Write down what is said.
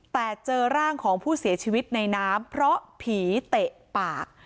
แต่เจอร่างของผู้เสียชีวิตในน้ำเพราะผีเตะปาก